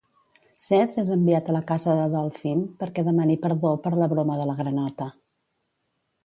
Seth és enviat a la casa de Dolphin perquè demani perdó per la broma de la granota.